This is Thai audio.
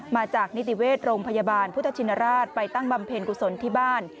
มาจากนิติเวชโรงพยาบาลพุทธชินราชไปตั้งบำเพ็ญกุศลที่บ้าน